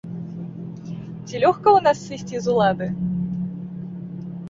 Ці лёгка ў нас сысці з улады?